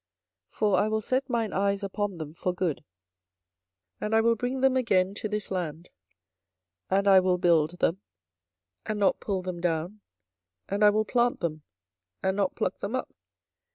24:024:006 For I will set mine eyes upon them for good, and I will bring them again to this land: and I will build them, and not pull them down; and I will plant them, and not pluck them up.